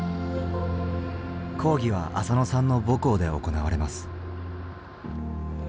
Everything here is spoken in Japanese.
講義はあさのさんの母校で行われます。